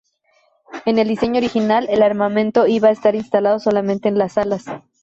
En el diseño original, el armamento iba a estar instalado solamente en las alas.